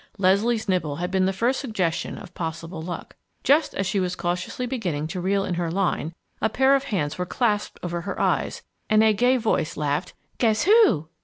Leslie's nibble had been the first suggestion of possible luck. Just as she was cautiously beginning to reel in her line a pair of hands was clasped over her eyes, and a gay voice laughed "Guess who!"